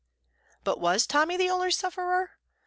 But was Tommy the only sufferer?